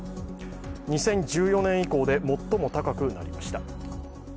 ２０１４年以降で最も高くなりました。